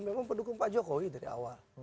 memang pendukung pak jokowi dari awal